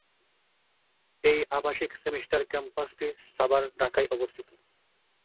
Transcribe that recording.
এই আবাসিক সেমিস্টার ক্যাম্পাসটি সাভার, ঢাকায় অবস্থিত।